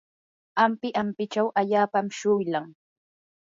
ampi ampichaw allaapa shuylam.